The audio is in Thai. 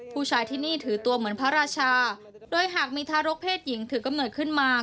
ผู้ชายที่นี่ถือตัวเหมือนพระราชาโดยหากมีทารกเพศหญิงถือกำเนิดขึ้นมา